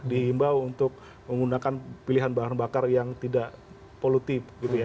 dihimbau untuk menggunakan pilihan bahan bakar yang tidak polutif